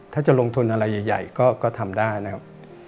ถ้าจะลงทุนอะไรใหญ่ก็ทำได้นะครับ